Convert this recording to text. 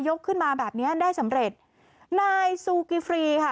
ขึ้นมาแบบเนี้ยได้สำเร็จนายซูกิฟรีค่ะ